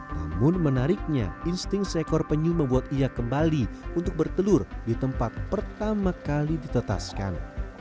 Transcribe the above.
namun menariknya insting seekor penyu membuat ia kembali untuk bertelur di tempat pertama kali ditetaskan